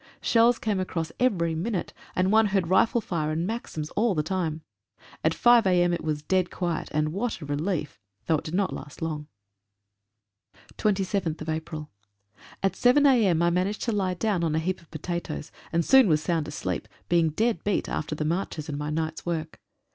Shells came across every minute, and one heard rifle fire and maxims all the time. At 5 a.m. it was dead quiet, and what a relief, though it did not last long. 61 ADVANCE OF THE HIGHLANDERS. 27th April— At 7 a.m. I managed to he down on a heap of pota toes, and soon was sound asleep, being dead beat after the marches and my night's work.